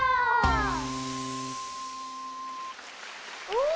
・お！